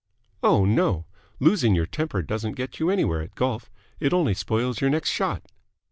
"Oh, no. Losing your temper doesn't get you anywhere at golf. It only spoils your next shot."